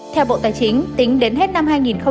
theo bộ tài chính tính đến hết năm hai nghìn hai mươi